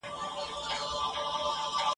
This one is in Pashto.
نه په ژمي نه په دوبي کي وزګار وو !.